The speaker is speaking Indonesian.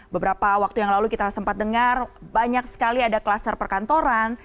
beberapa waktu yang lalu kita sempat dengar banyak sekali ada kluster perkantoran